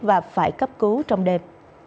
và phải cấp cứu trong đêm